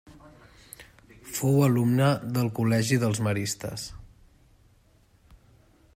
Fou alumne del col·legi dels Maristes.